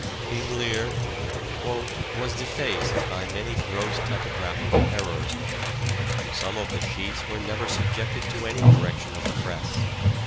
" King Lear "..." was defaced by many gross typographical errors. Some of the sheets were never subjected to any correction of the press.